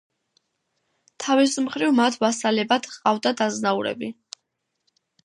თავის მხრივ მათ ვასალებად ჰყავდათ აზნაურები.